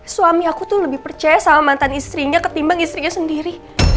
suami aku tuh lebih percaya sama mantan istrinya ketimbang istrinya sendiri